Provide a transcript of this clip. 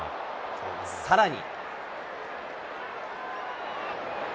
さらに。